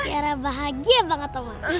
tiara bahagia banget oma